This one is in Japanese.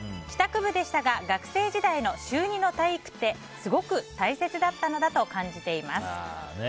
帰宅部でしたが学生時代の週２の体育ってすごく大切だったのだと感じています。